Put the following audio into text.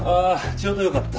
ちょうどよかった。